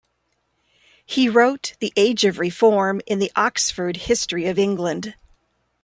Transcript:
He wrote "The Age of Reform" in the Oxford History of England.